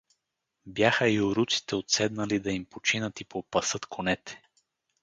Бяха юруците, отседнали да им починат и попасат конете.